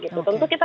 oke tentu kita